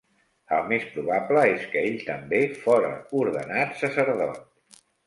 El més probable és que ell també fóra ordenat sacerdot.